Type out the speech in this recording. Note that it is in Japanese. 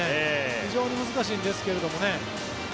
非常に難しいんですけどね。